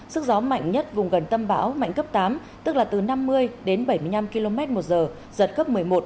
sức gió mạnh nhất vùng gần tâm bão mạnh cấp tám tức là từ năm mươi đến bảy mươi năm km một giờ giật cấp một mươi một